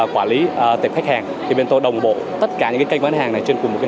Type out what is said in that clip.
quản lý tiệm khách hàng thì bên tôi đồng bộ tất cả những cái kênh bán hàng này trên cùng một cái